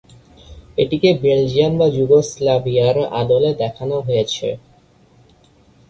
এটিকে বেলজিয়াম বা যুগোস্লাভিয়ার আদলে দেখানো হয়েছে।